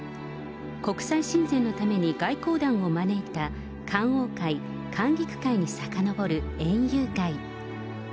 国際親善のために外交団を招いた観桜会、観菊会にさかのぼる園遊会。